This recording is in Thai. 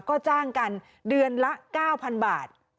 ก็จ้างกันเดือนละ๙๐๐บาท